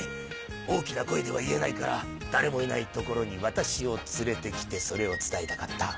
大きな声では言えないから誰もいない所に私を連れてきてそれを伝えたかった。